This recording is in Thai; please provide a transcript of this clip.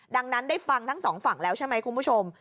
ดังนั้นได้ฟังทั้งสองฝั่งแล้วใช่ไหมคุณผู้ชม